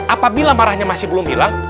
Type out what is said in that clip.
apabila marahnya masih belum hilang